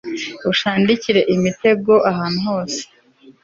unshandikire imitego impande zose